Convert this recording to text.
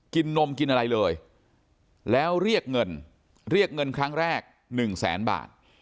นมกินอะไรเลยแล้วเรียกเงินเรียกเงินครั้งแรก๑แสนบาท